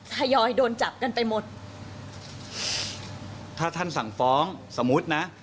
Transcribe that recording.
ทยอยโดนจับกันไปหมดถ้าท่านสั่งฟ้องสมมุตินะ